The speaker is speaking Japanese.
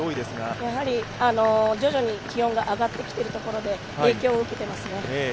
やはり徐々に気温が上がってきているところで影響を受けてますね。